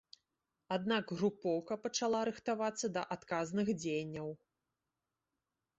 Аднак групоўка пачала рыхтавацца да адказных дзеянняў.